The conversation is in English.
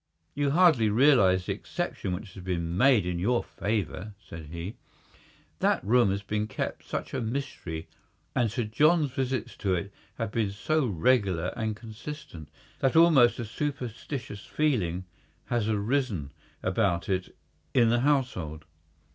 "You hardly realize the exception which has been made in your favour," said he. "That room has been kept such a mystery, and Sir John's visits to it have been so regular and consistent, that an almost superstitious feeling has arisen about it in the household.